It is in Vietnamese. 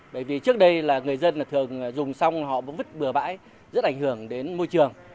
bởi vì trước đây người dân thường dùng xong họ vứt bừa bãi rất ảnh hưởng đến môi trường